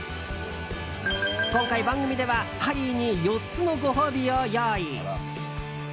今回、番組ではハリーに４つのご褒美を用意。